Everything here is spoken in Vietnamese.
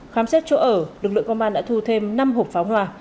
khám xét chỗ ở lực lượng công an đã thu thêm năm hộp pháo hoa